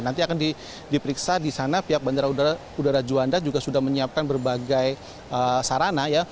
nanti akan diperiksa di sana pihak bandara udara juanda juga sudah menyiapkan berbagai sarana ya